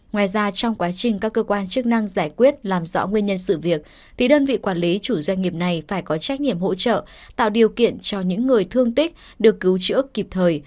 ngoài ra trong quá trình các cơ quan chức năng giải quyết làm rõ nguyên nhân sự việc thì đơn vị quản lý chủ doanh nghiệp này phải có trách nhiệm hỗ trợ tạo điều kiện cho những người thương tích được cứu chữa kịp thời